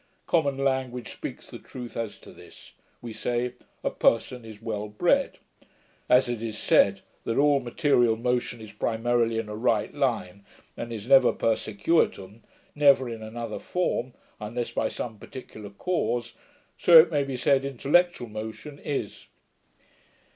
Common language speaks the truth as to this: we say, a person is well BRED. As it is said, that all material motion is primarily in a right line, and is never per circuitum, never in another form, unless by some particular cause; so it may be said intellectual motion is.'